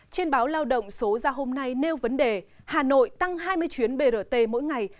trên báo lao động số ra hôm nay nêu vấn đề hà nội tăng hai mươi chuyến brt mỗi ngày